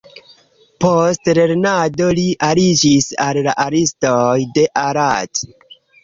Post lernado li aliĝis al artistoj de Arad.